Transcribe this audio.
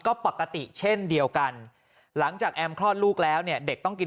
ก็ปกติเช่นเดียวกันหลังจากแอมคลอดลูกแล้วเนี่ยเด็กต้องกิน